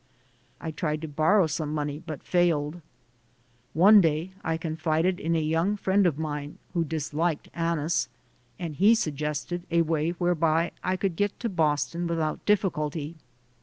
I tried to borrow some money, but failed. One day I confided in a young friend of mine, who disliked Annis, and he suggested a way whereby I could get to Boston without diffi culty.